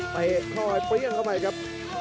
คอยเปรี้ยงเข้าไปครับ